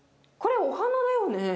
これお花だよね？